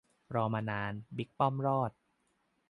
รอมานาน บิ๊กป้อมรอด !